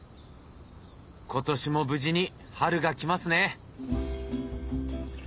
今年も無事に春が来ますね。